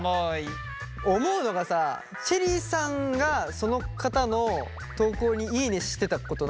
思うのがさチェリーさんがその方の投稿にいいねしてたことないのかな？